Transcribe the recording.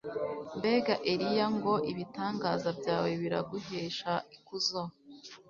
mbega eliya, ngo ibitangaza byawe biraguhesha ikuzo